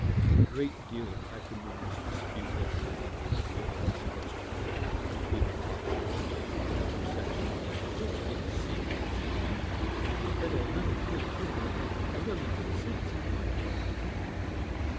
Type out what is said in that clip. A great deal of acrimonious dispute has arisen over this question, between the fox hunters of the two sections, which it has seemed to me that a little good temper and a little good sense might have prevented.